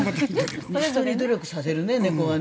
人に努力させるね、猫は。